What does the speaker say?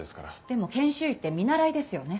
でも研修医って見習いですよね。